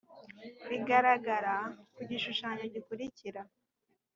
bigaragara ku gishushanyo gikurikira